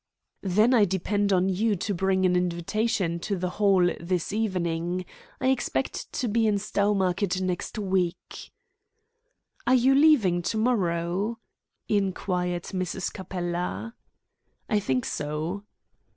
"Then I depend on you to bring an invitation to the Hall this evening. I expect to be in Stowmarket next week." "Are you leaving to morrow?" inquired Mrs. Capella. "I think so."